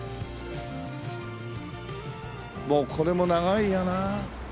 もうこれも長いよな。